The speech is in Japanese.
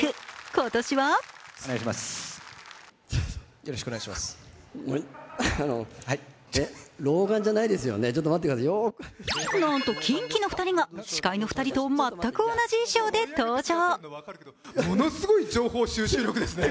今年はなんとキンキの２人が司会の２人と全く同じ衣装で登場。